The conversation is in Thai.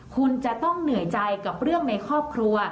คุณจะต้องเหนื่อยใจกับเรื่องในครอบครัว